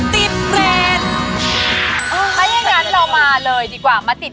ถ้าตัดสินใจไม่ถูกใช่ไหม